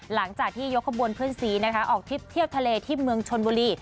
หลังจากที่ยกขบวนเพื่อนสีนะคะออกทริปเที่ยวทะเลที่เมืองชนบุรี